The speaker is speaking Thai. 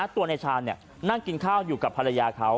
ตัวนายชาญนั่งกินข้าวอยู่กับภรรยาเขา